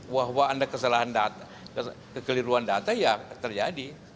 wah anda kesalahan data kekeliruan data ya terjadi